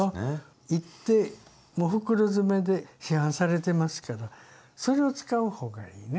いってもう袋詰めで市販されてますからそれを使う方がいいね。